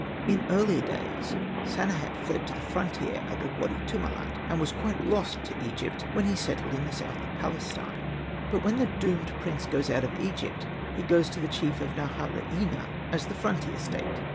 In earlier days Sanehat fled to the frontier at the Wady Tumilat, and was quite lost to Egypt when he settled in the south of Palestine. But when the Doomed Prince goes out of Egypt he goes to the chief of Naharaina, as the frontier State.